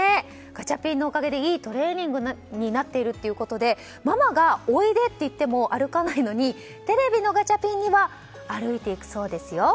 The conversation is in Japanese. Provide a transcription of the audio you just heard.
ガチャピンのおかげでいいトレーニングになっているということでママが、おいでと言っても歩かないのにテレビのガチャピンには歩いていくそうですよ。